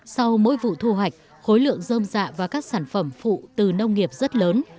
sau mỗi vụ thu hoạch khối lượng dơm dạ và các sản phẩm phụ từ nông nghiệp rất lớn